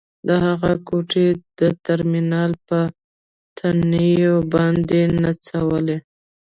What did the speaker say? د هغه ګوتې د ټرمینل په تڼیو باندې نڅولې